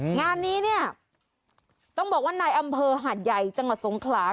งานนี้เนี่ยต้องบอกว่าในอำเภอหาดใหญ่จังหวัดสงขลา